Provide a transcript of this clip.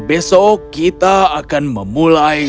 besok kita akan memulai